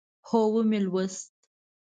هو، ومی لوست